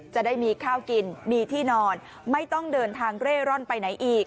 จะได้มีข้าวกินมีที่นอนไม่ต้องเดินทางเร่ร่อนไปไหนอีก